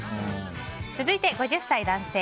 続いて、５０歳男性。